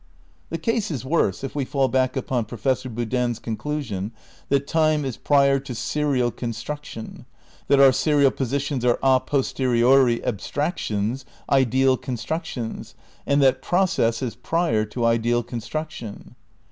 The case is worse if we fall back upon Professor Boodin's conclusion that "Time is prior to serial con struction"; that "our serial positions are a posteriori abstractions, ideal constructions," and that "Process is prior to ideal construction."